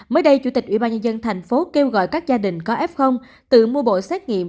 mới đây chủ tịch ủy ban nhân dân thành phố kêu gọi các gia đình có f tự mua bộ xét nghiệm